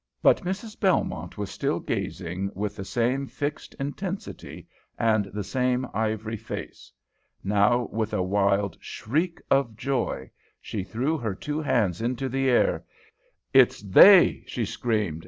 But Mrs. Belmont was still gazing with the same fixed intensity and the same ivory face. Now, with a wild shriek of joy, she threw her two hands into the air. "It's they!" she screamed.